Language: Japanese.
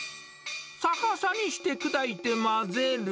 逆さにして砕いて混ぜる？